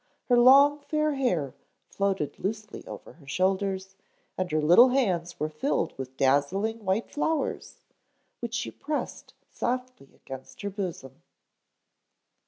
Her long, fair hair floated loosely over her shoulders and her little hands were filled with dazzling white flowers, which she pressed softly against her bosom.